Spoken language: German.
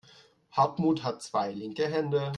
Hartmut hat zwei linke Hände.